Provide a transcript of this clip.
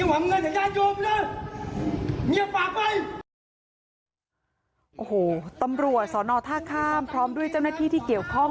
โอ้โหตำรวจสอนอท่าข้ามพร้อมด้วยเจ้าหน้าที่ที่เกี่ยวข้อง